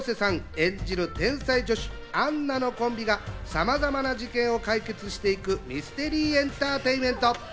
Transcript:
演じる天才助手・アンナのコンビが、さまざまな事件を解決していくミステリーエンタテインメント。